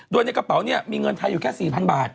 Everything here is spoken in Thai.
โดยในกระเป๋าเนี่ยมีเงินไทยอยู่แค่๔๐๐บาท